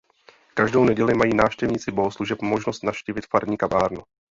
Každou neděli mají návštěvníci bohoslužeb možnost navštívit farní kavárnu.